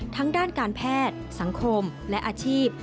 ทั้งด้านการแพทย์สังคมและอาชีพ